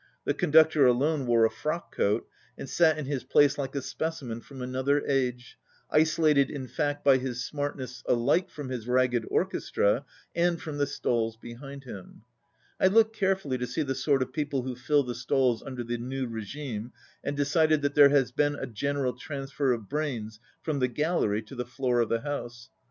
The conductor alone wore a frock coat, and sat in his place like a specimen from another age, isolated in fact by his smartness alike from his ragged orchestra and from the stalls behind him. I looked carefully to see the sort of people who fill the stalls under the new regime, and decided that there has been a general transfer of brains from the gallery to the floor of the house.